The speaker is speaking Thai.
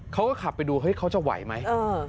เขาก็ขับไปดูเฮ้ยเขาจะไหวไหม